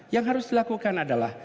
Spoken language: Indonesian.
yang harus dilakukan adalah